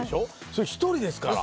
それ１人ですから。